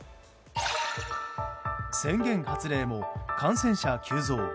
宣言発令も感染者急増。